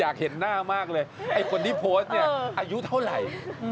อยากเห็นหน้ามากเลยไอ้คนที่โพสต์เนี่ยอายุเท่าไหร่